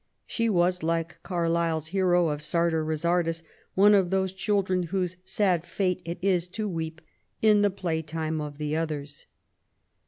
She was, like Carlyle s hero of Sartor Resartus, one of those children whose sad fate it is to weep " in the playtime of the others.'